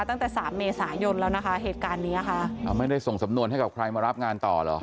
ตั้งแต่สามเมษายนแล้วนะคะเหตุการณ์เนี้ยค่ะอ่าไม่ได้ส่งสำนวนให้กับใครมารับงานต่อเหรอ